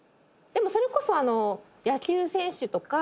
「でもそれこそ野球選手とか」